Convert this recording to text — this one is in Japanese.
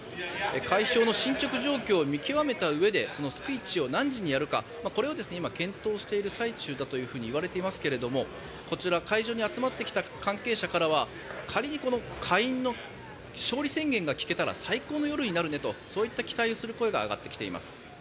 開票の進ちょく状況を見極めたうえでそのスピーチを何時にやるかを検討している最中だといわれていますけれどもこちら、会場に集まってきた関係者からは仮に下院の勝利宣言が聞けたら最高の夜になるねとそういった期待をする声が上がってきています。